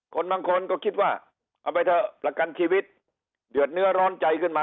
บางคนก็คิดว่าเอาไปเถอะประกันชีวิตเดือดเนื้อร้อนใจขึ้นมา